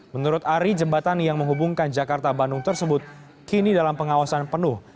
menurut ari jembatan yang menghubungkan jakarta bandung tersebut kini dalam pengawasan penuh